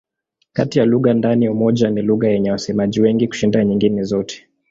Kati ya lugha ndani ya Umoja ni lugha yenye wasemaji wengi kushinda nyingine zote.